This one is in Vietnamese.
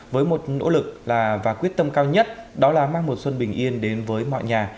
với một nỗ lực và quyết tâm cao nhất đó là mang một xuân bình yên đến với mọi nhà